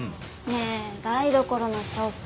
ねえ台所の食器。